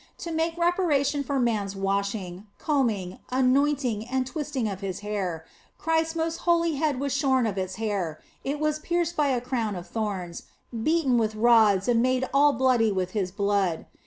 To make reparation for man s washing, combing, anointing, and twisting of his hair, Christ s most holy head was shorn of its hair, it was pierced by the crown of thorns, beaten with rods and made all bloody with His blood.